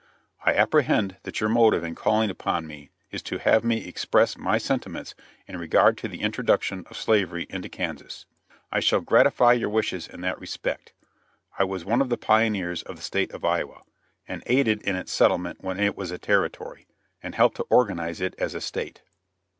I apprehend that your motive in calling upon me is to have me express my sentiments in regard to the introduction of slavery into Kansas. I shall gratify your wishes in that respect. I was one of the pioneers of the State of Iowa, and aided in its settlement when it was a territory, and helped to organize it as a state.